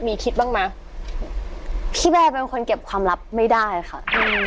มีคิดบ้างไหมพี่แบร์เป็นคนเก็บความลับไม่ได้ค่ะ